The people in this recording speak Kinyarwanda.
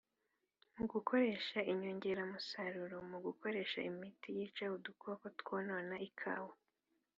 mu gukoresha inyongeramusaruro, mu gukoresha imiti yica udukoko twonona ikawa,